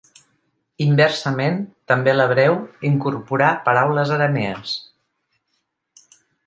Inversament, també l'hebreu incorporà paraules aramees.